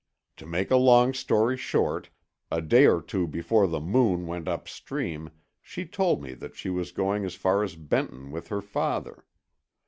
To make a long story short, a day or two before the Moon went upstream she told me that she was going as far as Benton with her father.